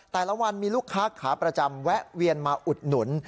แต่ละวันมีลูกค้าขาประจำแวะเวียนมาอุดหนุน